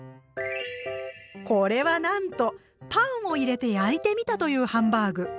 これはなんとパンを入れて焼いてみたというハンバーグ。